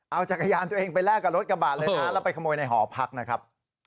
เอาจักรยานตัวเองไปแลกกับรถกระบาดเลยนะแล้วไปขโมยในหอพักนะครับ